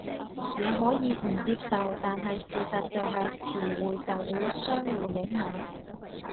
你可以唔接受，但係事實就係詞彙就會相互影響